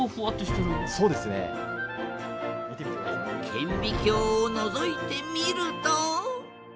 顕微鏡をのぞいてみると。